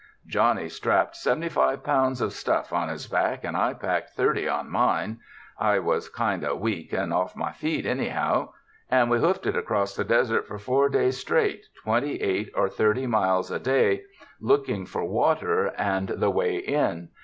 Johnny strapped seventy five pounds of stutf on his back and I packed thirty on mine — I was kind of weak and off my feed, anyhow— and we hoofed it across the desert for four days straight, twenty eight or thirty miles a day, looking for water and 215 UNDER THE SKY IN CALIFORNIA the way in.